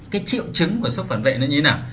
cái triệu chứng của số phản vệ nó như thế nào